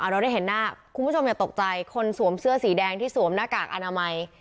เราได้เห็นหน้าคุณผู้ชมอย่าตกใจคนสวมเสื้อสีแดงที่สวมหน้ากากอนามัย